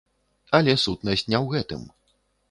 Але сутнасць не ў гэтым.